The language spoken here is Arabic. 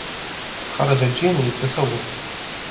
خرجت جين للتسوق.